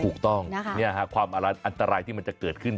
ถูกต้องความอันตรายที่มันจะเกิดขึ้น